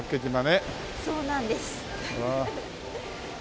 そうなんです。